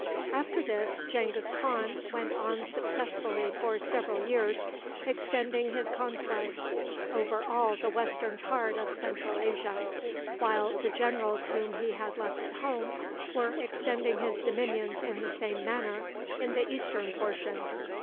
After this Genghis Khan went on successfully for several years, extending his conquests over all the western part of Central Asia, while the generals whom he had left at home were extending his dominions in the same manner in the eastern portion.